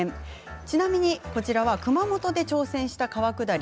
ちなみに、こちらは熊本で挑戦した川下り。